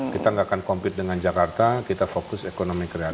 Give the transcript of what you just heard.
kita nggak akan compete dengan jakarta kita fokus ekonomi kreatif